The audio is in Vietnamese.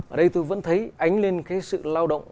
ở đây tôi vẫn thấy ánh lên cái sự lao động